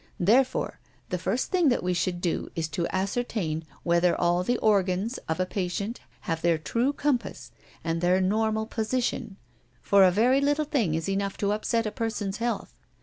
Therefore, the first thing that we should do is to ascertain whether all the organs of a patient have their true compass and their normal position, for a very little thing is enough to upset a person's health.